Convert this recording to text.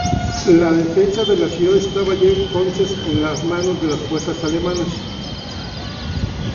La defensa de la ciudad estaba ya entonces en manos de las fuerzas alemanas.